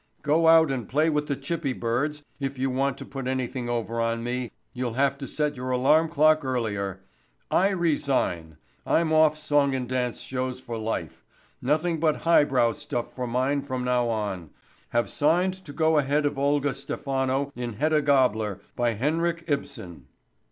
GO OUT AND PLAY WITH THE CHIPPY BIRDS. IF YOU WANT TO PUT ANYTHING OVER ON ME YOU'LL HAVE TO SET YOUR ALARM CLOCK EARLIER—I RESIGN—I'M OFF SONG AND DANCE SHOWS FOR LIFE—NOTHING BUT highbrow STUFF FOR MINE FROM NOW ON—HAVE SIGNED TO GO AHEAD OF OLGA STEPHANO IN HEDDA GABLER, BY HENRI K. IBSEN.